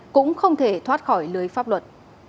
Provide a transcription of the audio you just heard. cũng không thể thoát khỏi lưới pháp luật